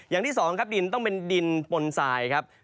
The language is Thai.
อย่างที่สองครับดินต้องเป็นดินปนสายครับ